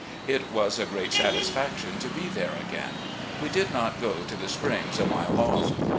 It was a great satisfaction to be there again. We did not go to the springs, a mile off.